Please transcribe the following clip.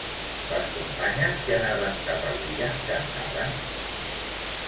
Les companyes que anaven cap a l'illa cantaven?